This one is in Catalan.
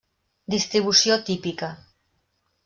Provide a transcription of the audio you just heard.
Distribució típica.